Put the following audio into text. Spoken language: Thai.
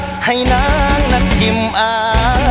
ใจเป็นรายต่างให้นางนั้นพิมอายสา